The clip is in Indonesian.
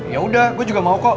yaudah gue juga mau ikut